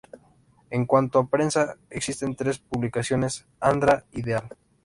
En cuanto a prensa, existen tres publicaciones: Adra Ideal.